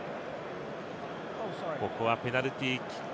ここはペナルティキック。